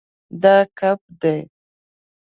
دا کب دی